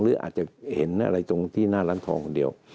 หรืออาจจะเห็นอะไรตรงที่หน้าร้านทองคนเดียว